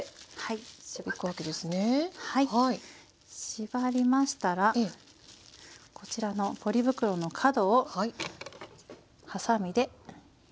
縛りましたらこちらのポリ袋の角をはさみで切ります。